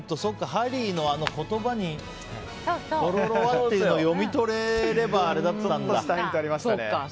ハリーの言葉にとろろはっていうのを読み取れればあれだったんだ。